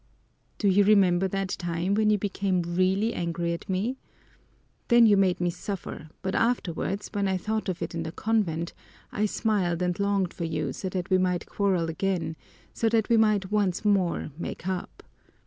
Do you remember that time when you became really angry at me? Then you made me suffer, but afterwards, when I thought of it in the convent, I smiled and longed for you so that we might quarrel again so that we might once more make up.